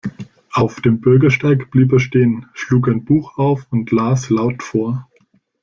Auf dem Bürgersteig blieb er stehen, schlug ein Buch auf und las laut vor.